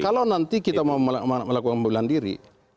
kalau nanti kita mau melakukan pembelahan diri